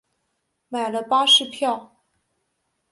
买了巴士票